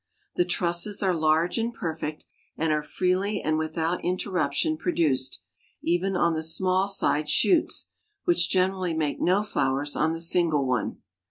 The trusses are large and perfect, and are freely and without interruption produced, even on the small side shoots, which generally make no flowers on the single one.